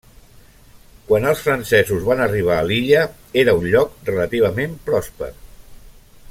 Quan els francesos van arribar a l'illa, era un lloc relativament pròsper.